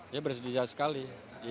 ya bersedia sekali